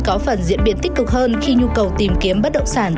có phần diễn biến tích cực hơn khi nhu cầu tìm kiếm bất động sản